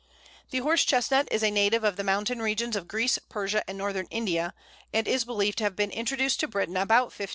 ] The Horse Chestnut is a native of the mountain regions of Greece, Persia, and Northern India, and is believed to have been introduced to Britain about 1550.